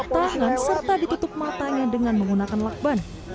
tahan serta ditutup matanya dengan menggunakan lakban